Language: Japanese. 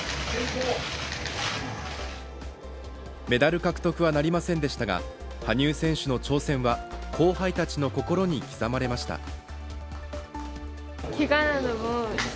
メダル獲得はなりませんでしたが、羽生選手の挑戦は後輩たちの心に刻まれました。